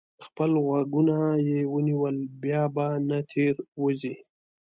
خپل غوږونه یې ونیول؛ بیا به نه تېروځي.